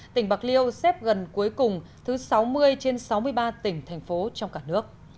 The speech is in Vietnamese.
tỉnh bạc liêu xếp gần cuối cùng thứ sáu mươi trên sáu mươi ba tỉnh thành phố trong cả nước